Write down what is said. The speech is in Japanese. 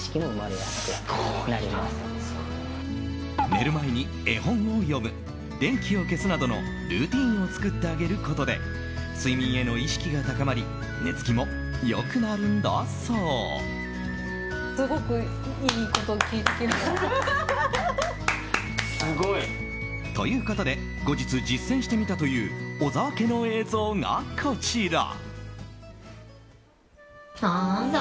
寝る前に絵本を読む電気を消すなどのルーティンを作ってあげることで睡眠への意識が高まり寝つきも良くなるんだそう。ということで後日実践してみたという小澤家の映像がこちら。